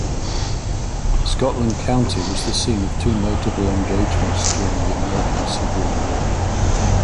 Scotland County was the scene of two notable engagements during the American Civil War.